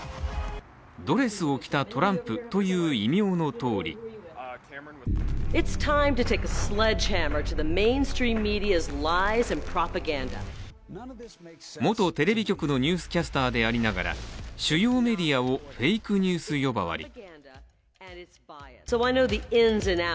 ドレスを着たトランプという異名のとおり元テレビ局のニュースキャスターでありながら主要メディアをフェイクニュース呼ばわり。